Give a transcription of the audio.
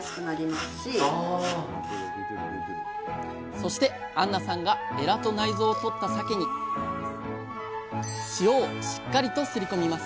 そして杏奈さんがエラと内臓を取ったさけに塩をしっかりとすり込みます